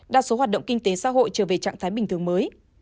đa số hoạt động kinh tế xã hội trở về trạng thái bình thường mới